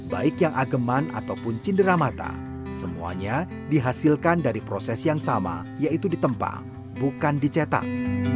baik yang ageman ataupun cindera mata semuanya dihasilkan dari proses yang sama yaitu ditempa bukan dicetak